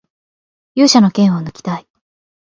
勇者の剣をぬきたい